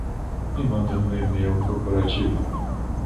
Me manda no e-mail corporativo